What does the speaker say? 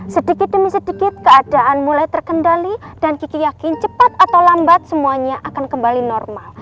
sedikit demi sedikit keadaan mulai terkendali dan kiki yakin cepat atau lambat semuanya akan kembali normal